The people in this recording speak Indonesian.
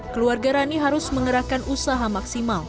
keluarga rani harus mengerahkan usaha maksimal